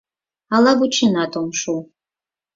Ала вученат ом шу.